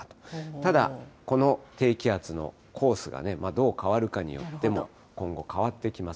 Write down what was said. ただ、この低気圧のコースがどう変わるかによっても、今後、変わってきます。